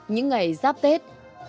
những ngày giáp tết